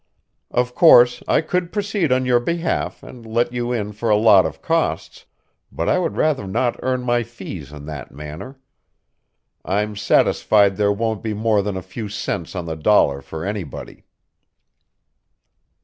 Of course, I could proceed on your behalf and let you in for a lot of costs, but I would rather not earn my fees in that manner. I'm satisfied there won't be more than a few cents on the dollar for anybody."